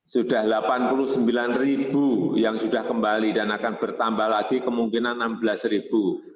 sudah delapan puluh sembilan ribu yang sudah kembali dan akan bertambah lagi kemungkinan enam belas ribu